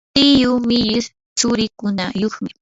tiyuu millish tsurikunayuqmi.